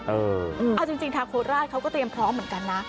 เอาจริงทางโคราชเขาก็เตรียมพร้อมเหมือนกันนะ